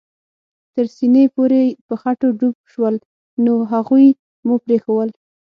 تر سېنې پورې په خټو کې ډوب شول، نو هغوی مو پرېښوول.